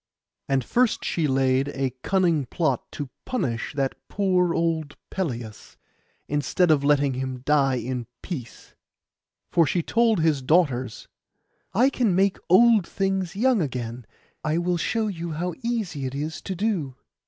And first she laid a cunning plot to punish that poor old Pelias, instead of letting him die in peace. For she told his daughters, 'I can make old things young again; I will show you how easy it is to do.